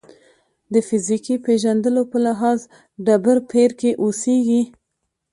د فیزیکي پېژندلو په لحاظ ډبرپېر کې اوسېږي.